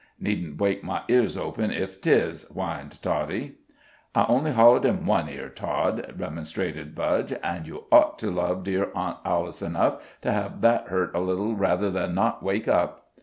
"Needn't bweak my earzh open, if 'tis, whined Toddie." "I only holloed in one ear, Tod," remonstrated Budge "an' you ought to love dear Aunt Alice enough to have that hurt a little rather than not wake up."